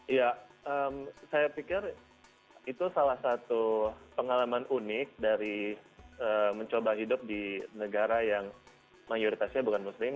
iya saya pikir itu salah satu pengalaman unik dari mencoba hidup di negara yang mayoritasnya bukan muslim